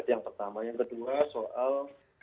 yang pertama yang kedua soal